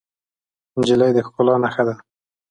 نجلۍ د ښکلا نښه ده.